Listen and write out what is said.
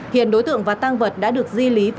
hiện đối tượng và tăng vật đã được di lý